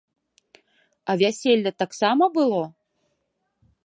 А вяселле таксама было?